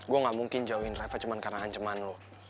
gue gak mungkin jauhin reva cuma karena anceman lo